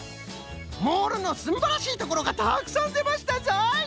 モールのすんばらしいところがたくさんでましたぞい！